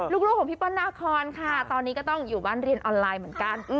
ลูกของพี่เปิ้ลนาคอนค่ะตอนนี้ก็ต้องอยู่บ้านเรียนออนไลน์เหมือนกัน